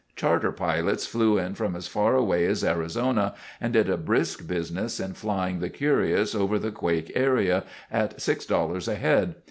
Charter pilots flew in from as far away as Arizona, and did a brisk business in flying the curious over the quake area at $6 a head.